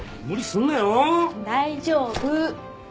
大丈夫。